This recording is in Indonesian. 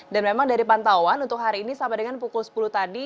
dan memang dari pantauan untuk hari ini sampai dengan pukul sepuluh tadi